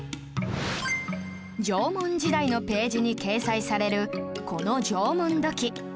縄文時代のページに掲載されるこの縄文土器